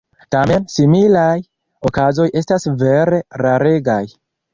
Tamen similaj okazoj estas vere raregaj.